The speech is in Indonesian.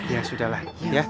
ya sudah lah ya